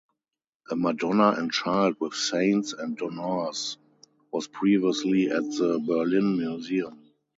A "Madonna and child with Saints and donors" was previously at the Berlin Museum.